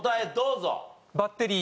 バッテリー。